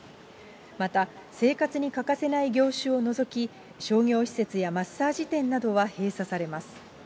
また生活に欠かせない業種を除き、商業施設やマッサージ店などは閉鎖されます。